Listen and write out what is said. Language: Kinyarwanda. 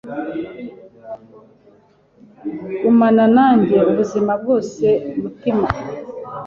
Gumana nanjye ubuzima bwose mutima